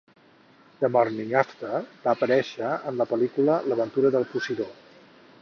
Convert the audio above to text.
"The Morning After" va aparèixer en la pel·lícula "L'aventura del Posidó".